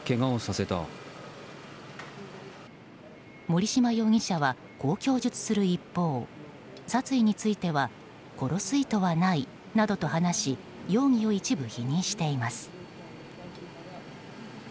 森島容疑者はこう供述する一方殺意については殺す意図はないなどと話し容疑を一部否認しています。